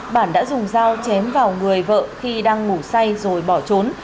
bản đã dùng dao chém vào người vợ khi đang ngủ say rồi bỏ trốn